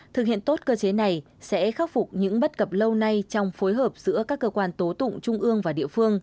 thực hiện tốt cơ chế này sẽ khắc phục những bất cập lâu nay trong phối hợp giữa các cơ quan tố tụng trung ương và địa phương